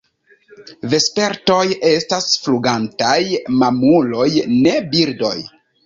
Vespertoj estas flugantaj mamuloj, ne birdoj.